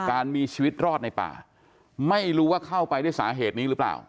การมีชีวิตรอดในป่าไม่รู้ว่าเข้าไปด้วยสาเหตุนี้หรือเปล่า